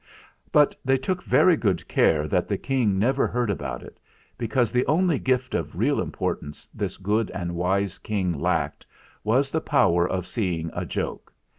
But they took very good care that the King never heard about it, because the only gift of real importance this good and wise King lacked "SEND FOR CHARLES!" 297 was the power of seeing a joke.